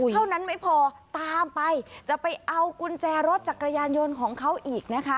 เท่านั้นไม่พอตามไปจะไปเอากุญแจรถจักรยานยนต์ของเขาอีกนะคะ